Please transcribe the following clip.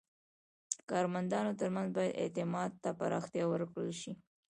د کارمندانو ترمنځ باید اعتماد ته پراختیا ورکړل شي.